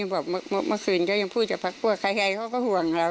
เจรจ่ายว่าเมื่อคืนเขายังพูดกับภาคปวดเช่นใครเอาก็ห่วงเรานะ